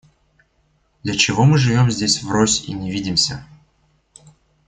Для чего мы живем здесь врозь и не видимся?